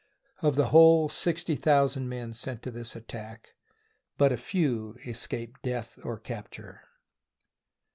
Of the whole sixty thousand men sent to this at tack, but few escaped death or capture.